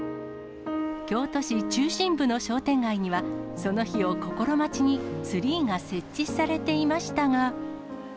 京都市中心部の商店街には、その日を心待ちにツリーが設置されていましたが。